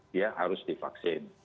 dia harus divaksin